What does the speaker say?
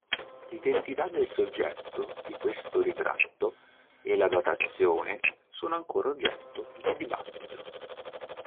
L'identità del soggetto di questo ritratto e la datazione sono ancora oggetto di dibattito.